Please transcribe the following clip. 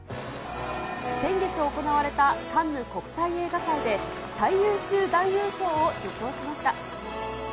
先月行われたカンヌ国際映画祭で、最優秀男優賞を受賞しました。